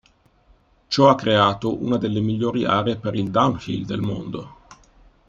Ciò ha creato una delle migliori aree per il Downhill del mondo.